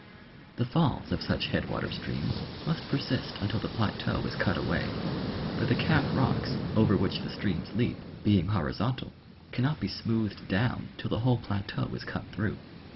25 The falls of such headwater sti'eams must persist until the plateau is cut away, for the cap rocks over which the streams leap being horizontal cannot be smoothed down till the whole plateau is cut through.